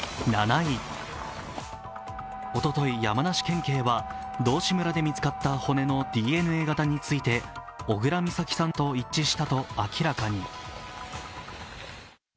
おととい、山梨県警は道志村で見つかった骨のＤＮＡ型について小倉美咲さんと一致したと明らかに。